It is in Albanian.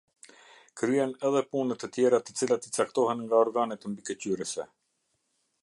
Kryen edhe punë të tjera të cilat i caktohen nga organet mbikëqyrëse.